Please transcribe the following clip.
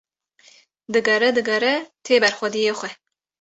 digere digere tê ber xwediyê xwe